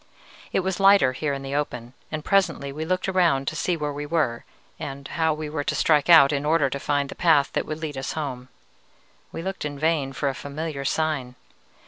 "It was lighter here in the open, and presently we looked around to see where we were, and how we were to strike out in order to find the path that would lead us home. We looked in vain for a familiar sign.